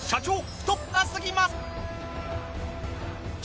太っ腹すぎます！